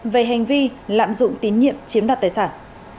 về hành vi lạm dụng tín nhiệm chiếm đoạt tài sản